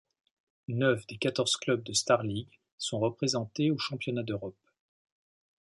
Neuf des quatorze clubs de Starligue sont représentés au championnat d’Europe.